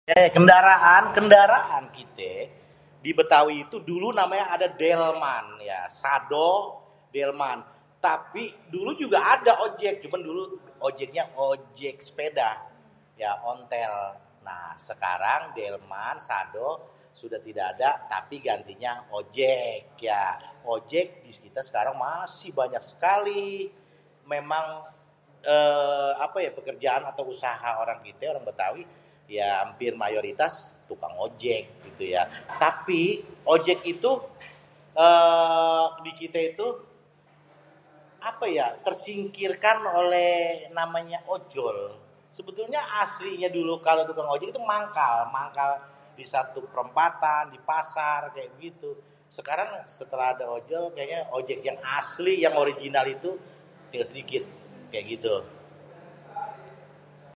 Kendaraan, Kendaraan kité dibetawi itu dulu namanya ada délman, sado délman ya. Tapi dulu juga ada ojek cuman dulu ojeknya ojek sepeda ya ontél, nah sekarang délman, sado, sudah tidak ada tapi gantinya ojek ya, ojek dikita sekarang masih banyak sekali memang apé ya ééé... pekerjaan atau usaha orang kite orang betawi ya hampir mayoritas tukang ojek gitu ya. Tapi ojek itu aaa.. di kita itu apa ya tersingkirkan oleh namanya ojol sebetulnya aslinya dulu kalo tukang ojek itu mangkal di suatu perempatan, di pasar kaya begitu. sekarang setelah ada ojol kayanya ojek yang asli yang original itu ya sedikit kaya gitu.